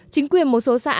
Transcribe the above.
chính quyền một số xã